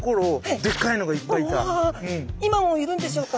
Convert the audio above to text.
僕は今もいるんでしょうか？